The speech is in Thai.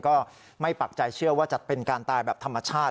ก็ไม่ปักใจเชื่อว่าจะเป็นการตายแบบธรรมชาติ